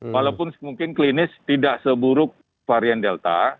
walaupun mungkin klinis tidak seburuk varian delta